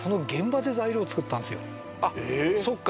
そっか。